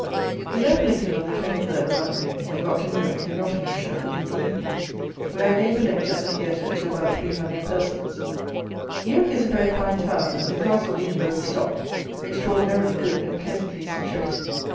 We left Lincoln on the 23rd about noon, and got to Newark, in Nottinghamshire, in the evening, where I gave a lecture at the theatre to about three hundred persons. Newark is a very fine town, and the Castle Inn, where we stopped, extraordinarily good and pleasantly situated.